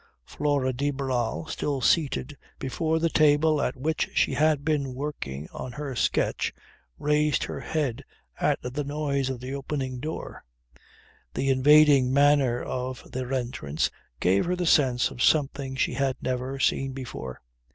Flora de Barral, still seated before the table at which she had been wording on her sketch, raised her head at the noise of the opening door. The invading manner of their entrance gave her the sense of something she had never seen before.